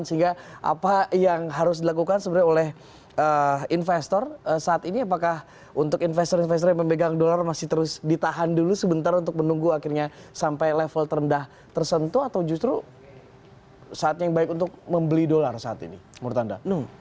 sehingga apa yang harus dilakukan sebenarnya oleh investor saat ini apakah untuk investor investor yang memegang dolar masih terus ditahan dulu sebentar untuk menunggu akhirnya sampai level terendah tersentuh atau justru saatnya yang baik untuk membeli dolar saat ini menurut anda